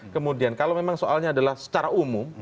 kemudian kalau memang soalnya adalah secara umum